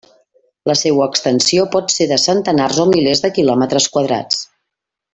La seua extensió pot ser de centenars o milers de quilòmetres quadrats.